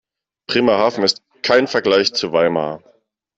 Bremerhaven ist kein Vergleich zu Weimar